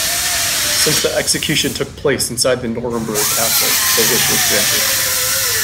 Since the execution took place inside the Nuremberg Castle the wish was granted.